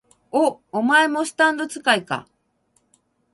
お、お前もスタンド使いか？